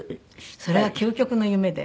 それは究極の夢で。